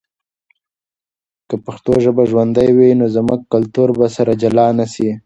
که پښتو ژبه ژوندی وي، نو زموږ کلتور به سره جلا نه سي.